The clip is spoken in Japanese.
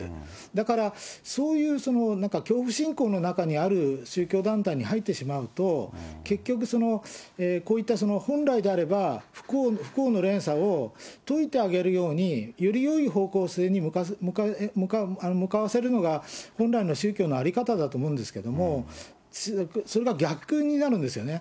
だから、そういう恐怖信仰の中にある宗教団体に入ってしまうと、結局、こういった本来であれば、不幸の連鎖を解いてあげるように、よりよい方向性に向かわせるのが本来の宗教の在り方だと思うんですけども、それが逆になるんですよね。